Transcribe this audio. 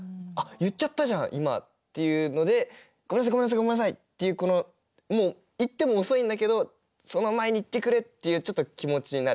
言っちゃったじゃん今」っていうので「ごめんなさいごめんなさいごめんなさい」っていうこのもう言っても遅いんだけどその前にいってくれっていうちょっと気持ちになる。